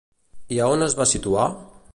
I a on es va situar?